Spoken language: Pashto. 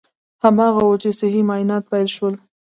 هماغه و چې صحي معاینات پیل شول.